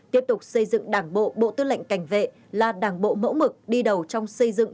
tiếp tục xây dựng đảng bộ bộ tư lệnh cảnh vệ là đảng bộ mẫu mực đi đầu trong xây dựng